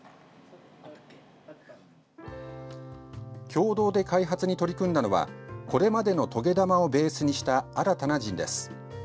共同で開発に取り組んだのはこれまでの棘玉をベースにした新たなジンです。